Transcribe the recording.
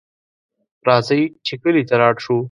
راځئ چې کلي ته لاړ شو